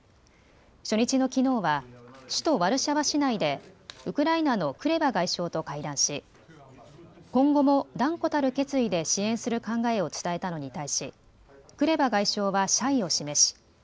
初日のきのうは首都ワルシャワ市内でウクライナのクレバ外相と会談し今後も断固たる決意で支援する考えを伝えたのに対しクレバ外相は謝意を示し